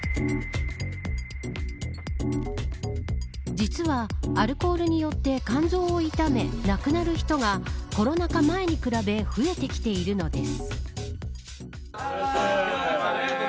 実は、アルコールによって肝臓を傷め、亡くなる人がコロナ禍前に比べ増えてきているのです。